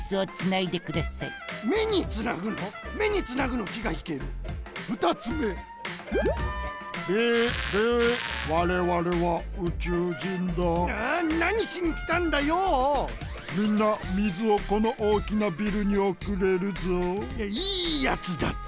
いやいいやつだった！